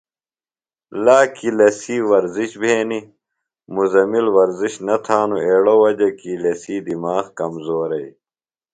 لاکی لسی ورزِش بھینیۡ۔ مزمل ورزش نہ تھانوۡ، ایڑوۡ وجہ کی لسی دِماغ کمزورئی۔